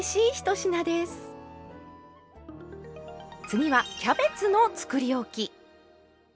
次はキャベツのつくりおき。